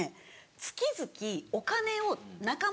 月々お金を仲間